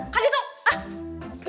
kali itu ah